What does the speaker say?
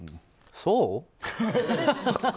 そう？